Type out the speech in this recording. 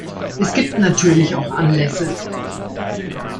Es gibt natürlich auch Anlässe.